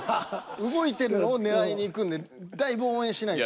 動いてるのを狙いにいくんでだいぶ応援しないと。